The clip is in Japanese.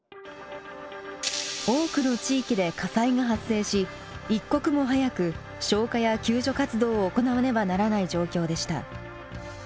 多くの地域で火災が発生し一刻も早く消火や救助活動を行わねばならない状況でした。